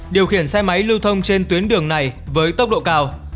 điều khiển xe máy lưu thông trên tuyến đường này với tốc độ cao